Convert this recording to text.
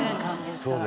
そうね。